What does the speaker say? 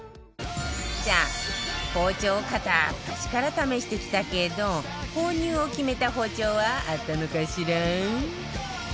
さあ包丁を片っ端から試してきたけど購入を決めた包丁はあったのかしら？